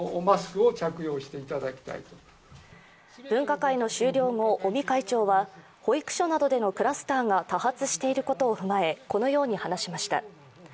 分科会の終了後、尾身会長は保育所などでのクラスターが多発していることを踏まえ、このように話しました。